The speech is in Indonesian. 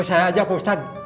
saya aja pak ustadz